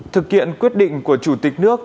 thực kiện quyết định của chủ tịch nước